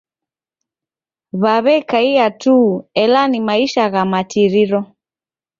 Waw'ekaia tu ela ni maisha gha matiriro.